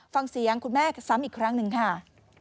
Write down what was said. ฟังเสียงคุณแม่ซ้ำอีกครั้งหนึ่งค่ะ